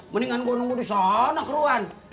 mendingan gue nunggu di sana keruan